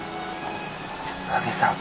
安部さん。